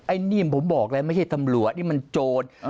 อันนี้ผมบอกแล้วไม่ใช่ตำรวจนี่มันโจร